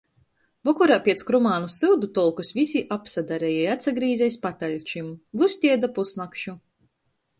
Vokorā piec Kromānu syudu tolkys vysi apsadareja i atsagrīze iz pataļčim. Ļustieja da pusnakšu!